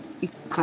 １回？